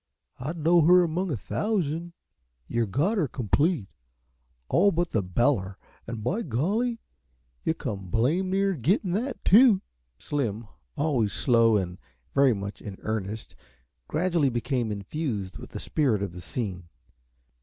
I'd know her among a thousand. Yuh got her complete all but the beller, an', by golly, yuh come blame near gittin' that, too!" Slim, always slow and very much in earnest, gradually became infused with the spirit of the scene.